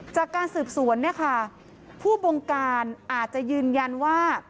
จากการสืบสวนผู้บงการอาจจะยืนยันว่า